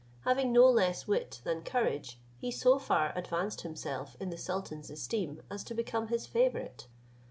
Having no less wit than courage, he so far advanced himself in the sultan's esteem, as to become his favourite.